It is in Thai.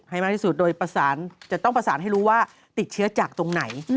ให้มากที่สุดโดยประสานจะต้องประสานให้รู้ว่าติดเชื้อจากตรงไหน